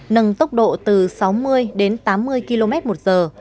nâng tốc độ từ sáu mươi đến tám mươi km một giờ